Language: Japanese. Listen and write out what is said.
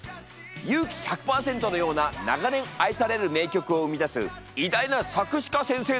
「勇気１００％」のような長年愛される名曲を生み出す偉大な作詞家先生だ！